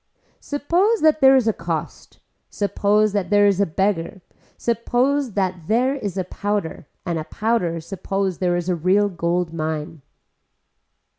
Suppose that there is a cost, suppose that there is a beggar, suppose that there is a powder and a powder suppose there is a real gold mine.